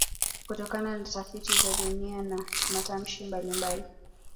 Kutokana na tafiti za lugha na matamshi mbalimbali